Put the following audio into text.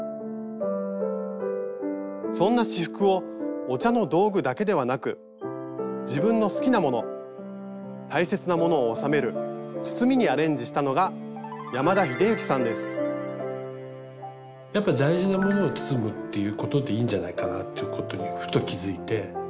そんな仕覆をお茶の道具だけではなく自分の好きなもの大切なものを収める包みにアレンジしたのがやっぱ大事なものを包むっていうことでいいんじゃないかなっていうことにふと気付いて。